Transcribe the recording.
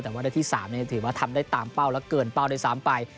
แต่ว่าในที่๓ถือว่าทำได้ตามเป้าและเกินเป้าได้๓ไป